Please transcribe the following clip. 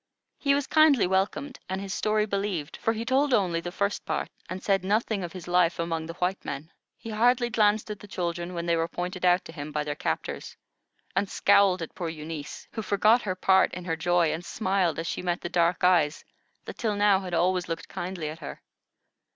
He was kindly welcomed, and his story believed; for he told only the first part, and said nothing of his life among the white men. He hardly glanced at the children when they were pointed out to him by their captors, and scowled at poor Eunice, who forgot her part in her joy, and smiled as she met the dark eyes that till now had always looked kindly at her.